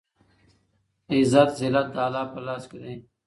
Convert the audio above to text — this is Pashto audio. عزت ذلت دالله په لاس کې دی